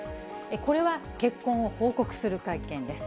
これは結婚を報告する会見です。